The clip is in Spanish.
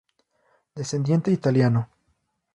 Descendiente italiano.